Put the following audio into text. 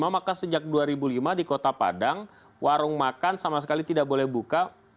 maka sejak dua ribu lima di kota padang warung makan sama sekali tidak boleh buka